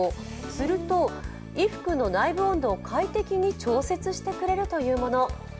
すると、衣服の内部温度を快適に調節してくれるというもの。